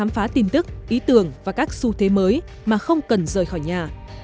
phá tin tức ý tưởng và các xu thế mới mà không cần rời khỏi nhà